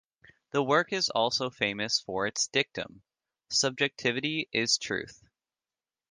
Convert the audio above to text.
The work is also famous for its dictum, "Subjectivity is Truth".